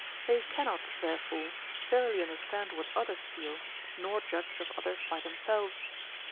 They cannot, therefore, thoroughly understand what others feel, nor judge of others by themselves.